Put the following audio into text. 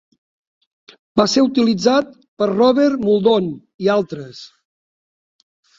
Va ser utilitzat per Robert Muldoon i altres.